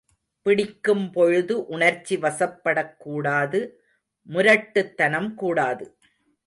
பிடிக்கும்பொழுது உணர்ச்சி வசப்படக்கூடாது, முரட்டுத்தனம் கூடாது.